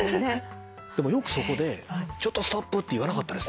でもよくそこで「ちょっとストップ」って言わなかったですね。